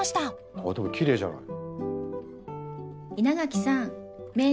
あっでもきれいじゃない？